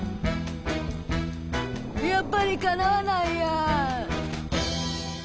「やっぱりかなわないや」。